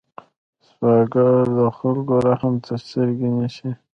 سوالګر د خلکو رحم ته سترګې نیسي